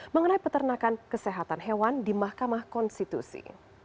mengenai peternakan kesehatan hewan di mahkamah konstitusi